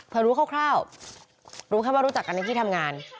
พอรู้คร่าวรู้แค่ว่ารู้จักกันในที่ทำงาน